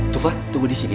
tufa tunggu di sini ya